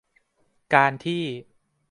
การที่